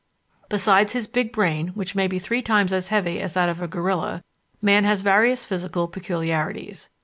Besides his big brain, which may be three times as heavy as that of a gorilla, man has various physical peculiarities.